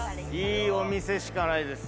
いいお店しかないです。